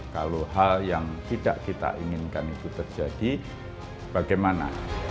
kalau hal yang tidak kita inginkan itu terjadi bagaimana